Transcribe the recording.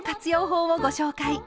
法をご紹介。